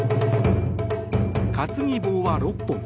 担ぎ棒は６本。